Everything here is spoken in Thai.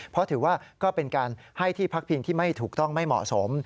เพราะถือว่าก็เป็นการให้ที่พักพิงที่ไม่ถูกต้องไม่เหมาะสม